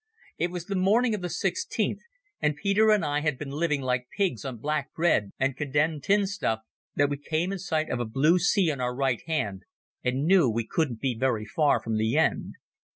It was the morning of the 16th, after Peter and I had been living like pigs on black bread and condemned tin stuff, that we came in sight of a blue sea on our right hand and knew we couldn't be very far from the end.